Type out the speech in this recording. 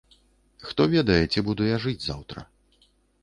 Хто ведае, ці буду я жыць заўтра.